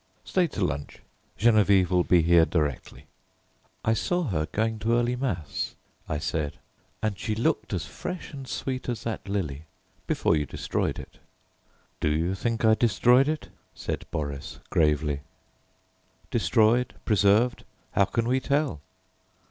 "Stay to lunch. Geneviève will be here directly." "I saw her going to early mass," I said, "and she looked as fresh and sweet as that lily before you destroyed it." "Do you think I destroyed it?" said Boris gravely. "Destroyed, preserved, how can we tell?"